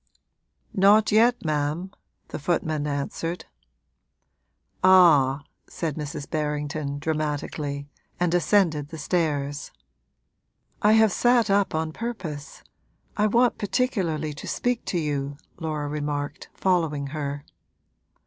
'Not yet, ma'am,' the footman answered. 'Ah!' said Mrs. Berrington, dramatically, and ascended the stairs. 'I have sat up on purpose I want particularly to speak to you,' Laura remarked, following her.